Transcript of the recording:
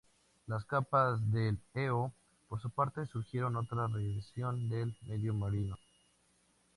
Las Capas del Eo, por su parte, sugieren otra regresión del medio marino.